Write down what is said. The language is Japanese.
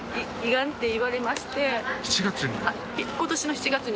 ７月に？